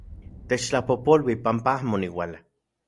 Techtlapojpolui panpa amo oniuala...